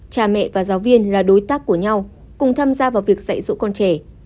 cha mẹ và giáo viên là đối tác của nhau cùng tham gia vào việc dạy dỗ con trẻ